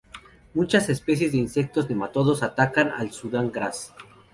Muchas especies de insectos y nemátodos atacan al sudan grass.